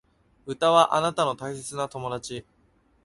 歌はあなたの大切な友達